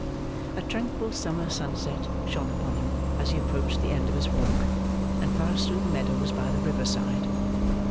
A tranquil summer sunset shone upon him as he approached the end of his walk, and passed through the meadows by the river side.